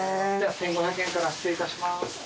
１，５００円から失礼いたします。